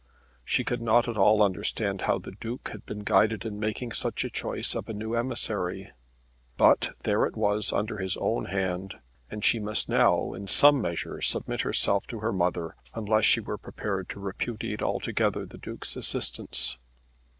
She could not at all understand how the Duke had been guided in making such a choice of a new emissary; but there it was under his own hand, and she must now in some measure submit herself to her mother unless she were prepared to repudiate altogether the Duke's assistance.